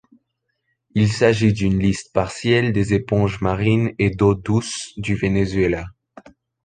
Il s'agit d'une liste partielle des éponges marines et d'eau douce du Venezuela.